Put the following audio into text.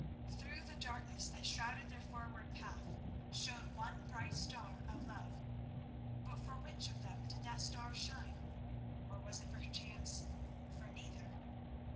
Through the darkness that shrouded their forward path shone one bright star of love—but for which of them did that star shine, or was it perchance for neither?